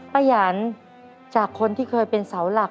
ยันจากคนที่เคยเป็นเสาหลัก